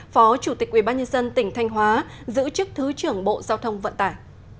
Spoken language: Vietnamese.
phó chủ tịch ubnd tỉnh thanh hóa giữ chức thứ trưởng bộ giao thông vận tải